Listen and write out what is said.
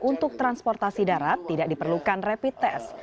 untuk transportasi darat tidak diperlukan rapid test